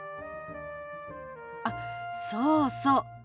あっそうそう。